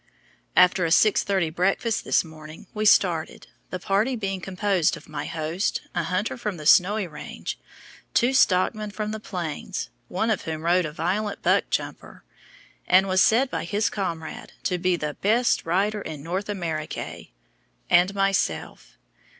After a 6:30 breakfast this morning, we started, the party being composed of my host, a hunter from the Snowy Range, two stockmen from the Plains, one of whom rode a violent buck jumper, and was said by his comrade to be the "best rider in North Americay," and myself.